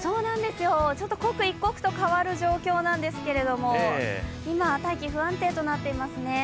ちょっと刻一刻と変わる状況なんですけれども、今、大気不安定となっていますね。